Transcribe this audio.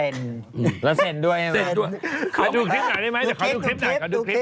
นะกระดูกคลิปหน่อย